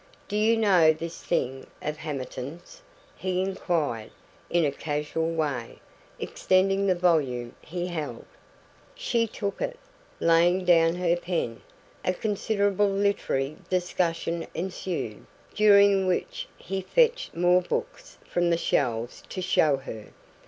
"Do you know this thing of Hamerton's?" he inquired, in a casual way, extending the volume he held. She took it, laying down her pen. A considerable literary discussion ensued, during which he fetched more books from the shelves to show her.